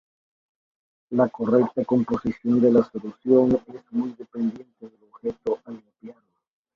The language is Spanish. La correcta composición de la solución es muy dependiente del objeto a limpiar.